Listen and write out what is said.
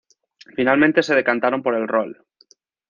Finalmente se decantaron por el rol.